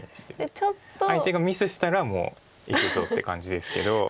相手がミスしたらもういくぞって感じですけど。